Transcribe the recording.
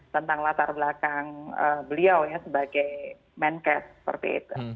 tentang latar belakang beliau ya sebagai menkes seperti itu